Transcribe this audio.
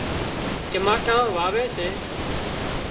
چماٽان واوي سي